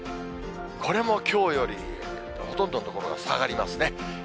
これもきょうよりほとんどの所が下がりますね。